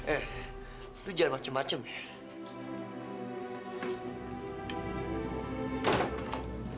eh lo jangan macem macem ya